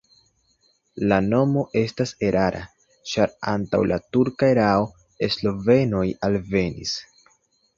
La nomo estas erara, ĉar antaŭ la turka erao slovenoj alvenis.